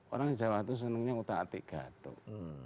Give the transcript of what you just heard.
orang jawa itu senangnya otak atik gadok